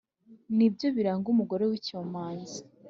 ni byo biranga umugore w’icyomanzi.